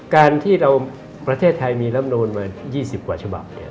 การที่ประเทศไทยมีลำนวนมา๒๐กว่าฉบับ